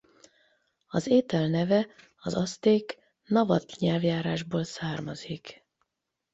Az étel neve az azték navatl nyelvjárásból származik.